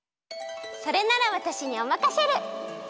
それならわたしにおまかシェル！